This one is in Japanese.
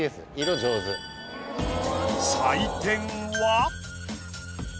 採点は。